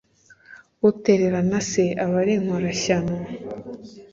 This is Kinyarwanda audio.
Utererana se aba ari inkorashyano,